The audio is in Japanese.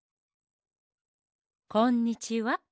こんにちは。